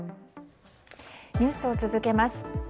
ニュースを続けます。